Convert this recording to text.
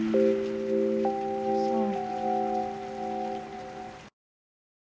そう。